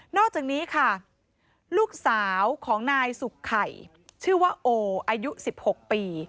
อกจากนี้ค่ะลูกสาวของนายสุกไข่ชื่อว่าโออายุ๑๖ปี